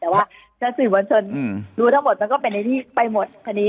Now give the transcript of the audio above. แต่ว่าถ้าสื่อมวลชนรู้ทั้งหมดมันก็เป็นในที่ไปหมดคดี